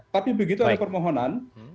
tapi begitu ada permohonan